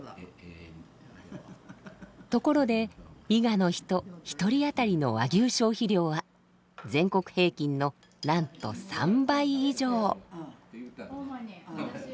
ところで伊賀の人１人当たりの和牛消費量は全国平均のなんと３倍以上。